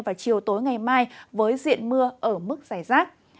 và chiều tối ngày mai với diện mưa ở mức rải rác